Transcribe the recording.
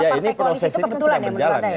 ya ini proses ini kan sedang berjalan